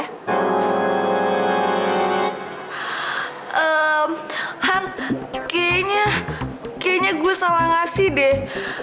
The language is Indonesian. han kayaknya kayaknya gue salah ngasih deh